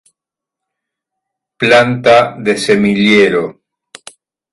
Planta de semillero.